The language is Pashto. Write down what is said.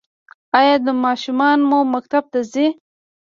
ایا ماشومان مو مکتب ته ځي؟